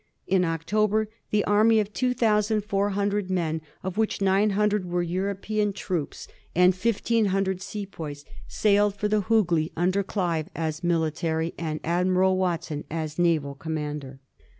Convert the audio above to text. In October the army of two thousand four hundred men* 1757. PLOT AND COUNTERPLOT. 269 of which nine hundred were European troops, and fifteen hundred Sepoys, sailed for the Hoogly, under Clive as military, and Admiral Watson as naval, commander.